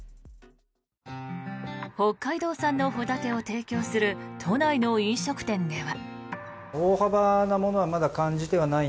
北海道産のホタテを提供する都内の飲食店では。